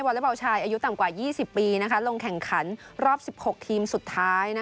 เล็กบอลชายอายุต่ำกว่า๒๐ปีลงแข่งขันรอบ๑๖ทีมสุดท้าย